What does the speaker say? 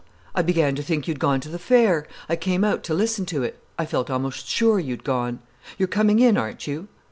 I began to think you'd gone to the fair. I came out to listen to it. I felt almost sure you'd gone. You're coming in, aren't you?"